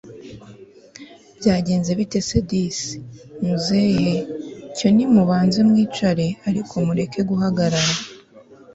byagenze bite se disi! muzehe cyo nimubanze mwicare ariko mureke guhagarara